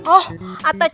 oh atau cikgu